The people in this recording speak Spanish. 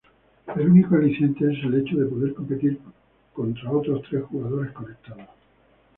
El único aliciente es el hecho de poder competir contra otros tres jugadores conectados.